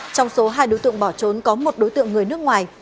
trong số hai đối tượng bỏ trốn có một đối tượng người nước ngoài